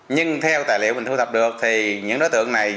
nhưng theo tài liệu mình thu thập được thì những đối tượng này